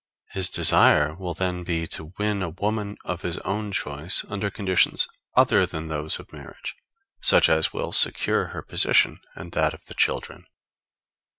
His desire will then be to win a woman of his own choice under conditions other than those of marriage, such as will secure her position and that of the children.